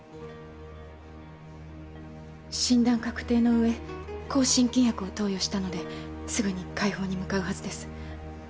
診断確定の上抗真菌薬を投与したのですぐに快方に向かうはずです。